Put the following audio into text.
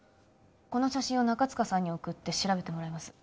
この写真を中塚さんに送って調べてもらいます